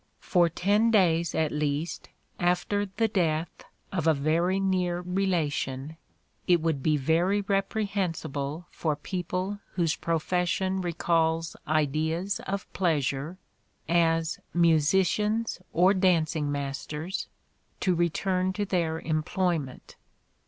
For ten days at least, after the death of a very near relation, it would be very reprehensible for people whose profession recalls ideas of pleasure, as musicians, or dancing masters, to return to their employment.